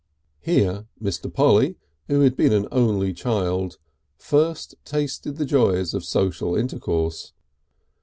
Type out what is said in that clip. Here Mr. Polly, who had been an only child, first tasted the joys of social intercourse.